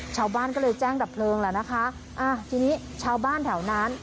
ชาวบ้านก็เลยแจ้งดับเพลิงแล้วนะคะอ่าทีนี้ชาวบ้านแถวนั้น